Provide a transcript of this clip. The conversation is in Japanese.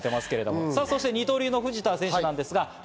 そして二刀流の藤田選手。